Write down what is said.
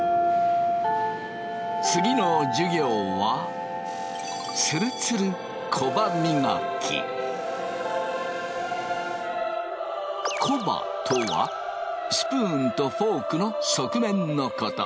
次の授業はコバとはスプーンとフォークの側面のこと。